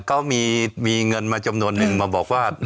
เขามีเงินมาจำนวนนึงมาบอกว่า